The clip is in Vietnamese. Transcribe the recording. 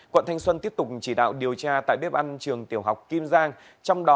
quận thanh xuân tiếp tục chỉ đạo điều tra tại bếp ăn trường tiểu học kim giang